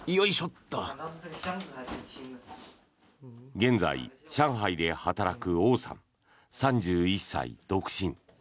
現在、上海で働くオウさん３１歳、独身。